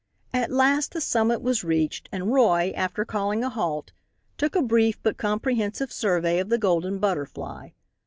At last the summit was reached, and Roy, after calling a halt, took a brief but comprehensive survey of the Golden Butterfly.